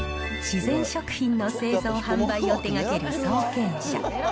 自然食品の製造・販売を手がける創建社。